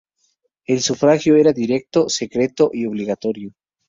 El sufragio era directo, secreto, y obligatorio.